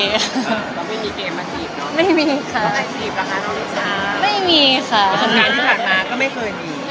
แล้วไม่มีเกมมากลีฟนะ